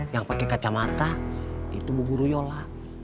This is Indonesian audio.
yang pakai kacamata itu bu guru yola